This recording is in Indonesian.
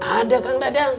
ada kang dadang